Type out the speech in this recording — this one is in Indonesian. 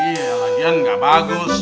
iya ladian gak bagus